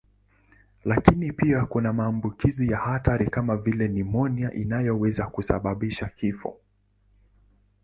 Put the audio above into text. Lakini pia kuna maambukizi ya hatari kama vile nimonia inayoweza kusababisha kifo.